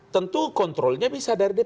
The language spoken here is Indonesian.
tentu kontrolnya bisa dari dpr